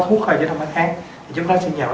thuốc thôi chứ không phải khác chúng ta sẽ nhậu